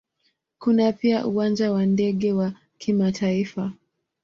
Kuna pia Uwanja wa ndege wa kimataifa.